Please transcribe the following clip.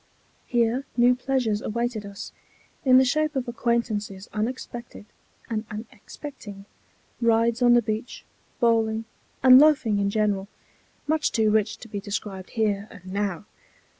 Here new pleasures awaited us, in the shape of acquaintances unexpected and unexpecting, rides on the beach, bowling, and loafing in general, much too rich to be described here and now.